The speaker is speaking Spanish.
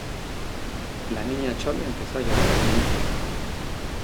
la Niña Chole empezó a llorar en silencio